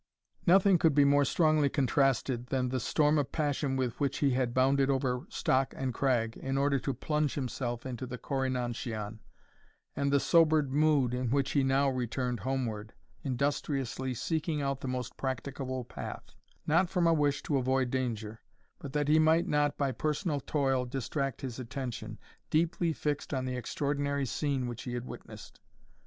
Nothing could be more strongly contrasted than the storm of passion with which he had bounded over stock and crag, in order to plunge himself into the Corri nan shian, and the sobered mood in which he now returned homeward, industriously seeking out the most practicable path, not from a wish to avoid danger, but that he might not by personal toil distract his attention, deeply fixed on the extraordinary scene which he had witnessed.